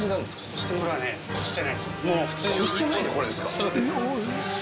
そうです。